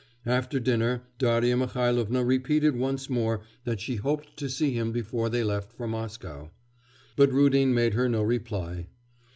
After dinner Darya Mihailovna repeated once more that she hoped to see him before they left for Moscow, but Rudin made her no reply.